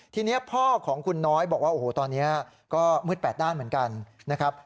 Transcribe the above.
ทีนี้พ่อของคุณน้อยบอกว่าโอ้โหตอนนี้ก็มืดแปดด้านเหมือนกันนะครับ